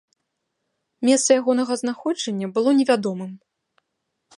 Месца ягонага знаходжання было невядомым.